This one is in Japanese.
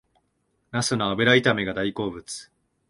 ナスの油炒めが大好物